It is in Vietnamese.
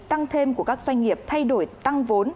tăng thêm của các doanh nghiệp thay đổi tăng vốn